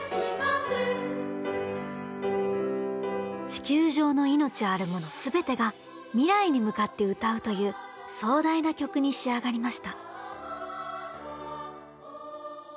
地球上の命あるもの全てが未来に向かって歌うという壮大な曲に仕上がりました。